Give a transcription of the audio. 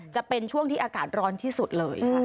จะเป็นช่วงที่อากาศร้อนที่สุดเลยค่ะ